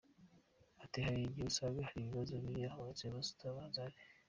Ati”Hari n’igihe usanga hari ibibazo biri aho inzego zitazi ko bihari.